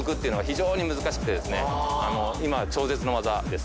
今超絶の技です。